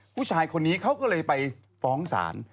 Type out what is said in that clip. ผู้ชายคนนี้เขาก็เลยไปฟ้องศาล